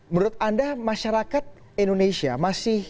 menurut anda masyarakat indonesia masih